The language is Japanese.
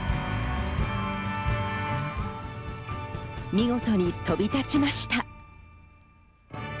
見事に飛び立ちました。